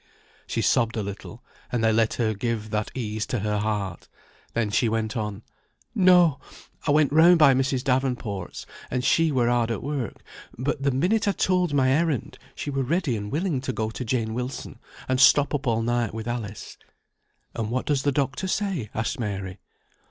She sobbed a little; and they let her give that ease to her heart. Then she went on "No! I went round by Mrs. Davenport's, and she were hard at work; but, the minute I told my errand, she were ready and willing to go to Jane Wilson, and stop up all night with Alice." "And what does the doctor say?" asked Mary.